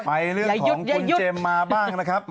เรื่องของคุณเจมส์มาบ้างนะครับ